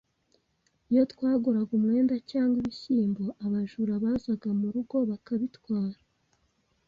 Iyo twaguraga umwenda cyangwa ibishyimbo, abajura bazaga mu rugo bakabitwara.